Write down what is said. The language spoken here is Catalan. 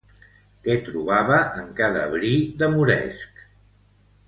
Què trobava en cada bri de moresc?